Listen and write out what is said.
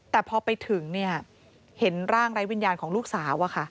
แต่พอไปถึงเห็นร่างไร้วิญญาณของลูกสาว